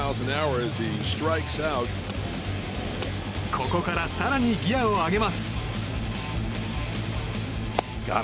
ここから更にギアを上げます。